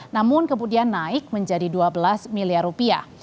namun kemudian naik menjadi dua belas miliar rupiah